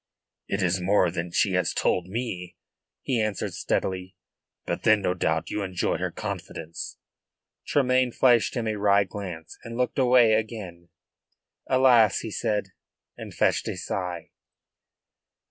"It is more than she has told me," he answered steadily. "But then, no doubt, you enjoy her confidence." Tremayne flashed him a wry glance and looked away again. "Alas!" he said, and fetched a sigh.